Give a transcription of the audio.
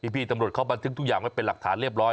พี่ตำรวจเขาบันทึกทุกอย่างไว้เป็นหลักฐานเรียบร้อย